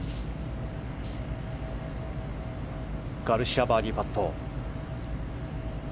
ガルシア、バーディーパット。